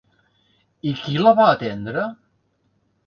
I qui la va atendre?